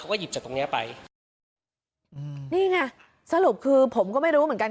ก็หยิบจากตรงเนี้ยไปอืมนี่ไงสรุปคือผมก็ไม่รู้เหมือนกัน